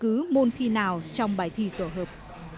không được bỏ bất cứ môn thi nào trong bài thi tổ hợp